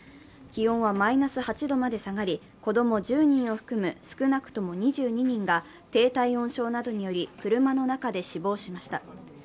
気温はマイナス８度まで下がり、子供１０人を含む少なくとも２２人が低体温症などにより車の中で死亡しました。